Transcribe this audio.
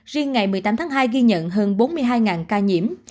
riêng ngày một mươi tám tháng hai ghi nhận hơn bốn mươi hai ca nhiễm